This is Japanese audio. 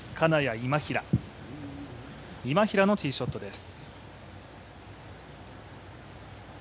今平のティーショットです。